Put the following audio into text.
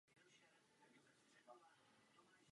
Je to jedinečné dílo slovenského baroka.